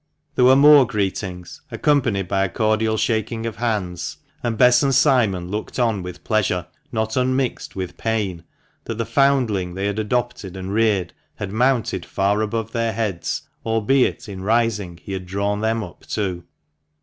There were more greetings, accompanied by a cordial shaking of hands, and Bess and Simon looked on with pleasure, not unmixed with pain, that the foundling they had adopted and reared had mounted far above their heads, albeit in rising he had drawn them up too.